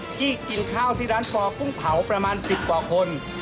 ที่กินข้าวที่ร้านปอกุ้งเผาประมาณ๑๐กว่าคน